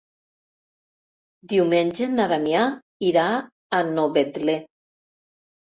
Diumenge na Damià irà a Novetlè.